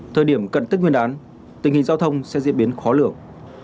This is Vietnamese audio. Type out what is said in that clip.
thời điểm cận tích nguyên đán tình hình giao thông sẽ diễn biến khó lường